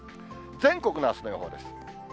全国のあすの予報です。